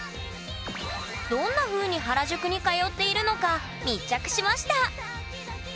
どんなふうに原宿に通っているのか密着しました！